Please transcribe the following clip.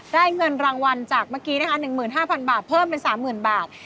ได้เงินรางวัลจากเมื่อกี้นะคะ๑๕๐๐บาทเพิ่มเป็น๓๐๐๐บาท